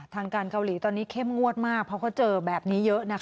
ทางการเกาหลีตอนนี้เข้มงวดมากเพราะเขาเจอแบบนี้เยอะนะคะ